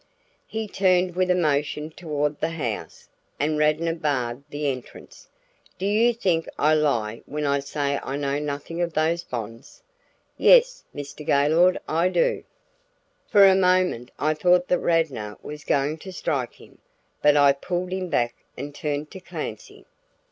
He turned with a motion toward the house, and Radnor barred the entrance. "Do you think I lie when I say I know nothing of those bonds?" "Yes, Mr. Gaylord, I do." For a moment I thought that Radnor was going to strike him, but I pulled him back and turned to Clancy.